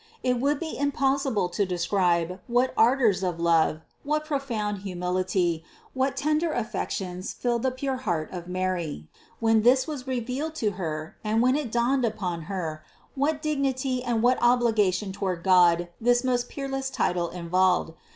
It would be impossible to describe, what ardors of love, what profound humility, what tender affections filled the pure heart of Mary, when this was revealed to Her and when it dawned upon Her, what dignity and what obli gation toward God this most peerless title involved.